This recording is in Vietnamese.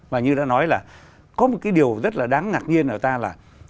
và như đã nói là có một cái điều rất là đáng ngạc nhiên ở ta là